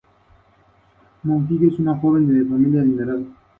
Miyuki es una joven de familia adinerada.